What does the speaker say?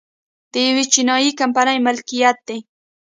د یوې چینايي کمپنۍ ملکیت دی